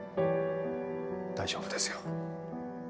大丈夫ですよ。